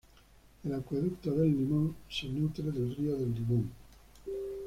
El acueducto del limón se nutre del río del limón.